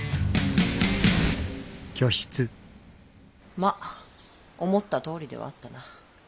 ま思ったとおりではあったな。